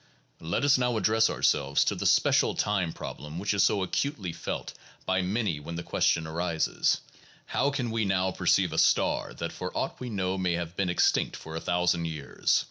Let us now address ourselves to the special time problem which is so acutely felt by many when the question arises: How can we now perceive a star that for aught we know may have been extinct for a thousand years?